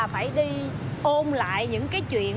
cái là phải đi ôn lại những cái chuyện